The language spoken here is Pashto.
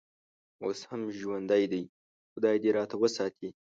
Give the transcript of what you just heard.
اوس هم ژوندی دی، خدای دې راته وساتي.